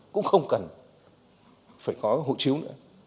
cũng không cần phải có hộ chiếu nữa